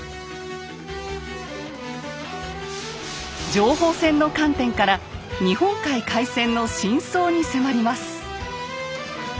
情報戦の観点から日本海海戦の真相に迫ります。